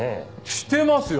してますよ！